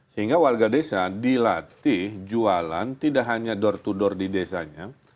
sehingga warga desa dilatih jualan tidak hanya door to door di desanya